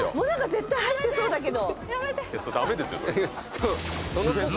絶対入ってそうだけど。